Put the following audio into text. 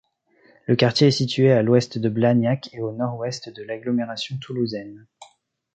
Le quartier est situé à l'ouest de Blagnac et au nord-ouest de l'agglomération toulousaine.